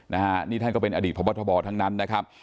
นะฮะนี่ท่านก็เป็นอดีตพบทบทั้งนั้นนะครับ